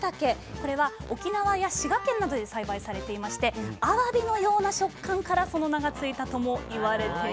これは沖縄や滋賀県などで栽培されていましてあわびのような食感からその名が付いたとも言われています。